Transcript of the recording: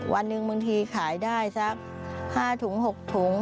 วันหนึ่งบางทีขายได้สัก๕ถุง๖ถุง